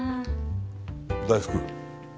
大福。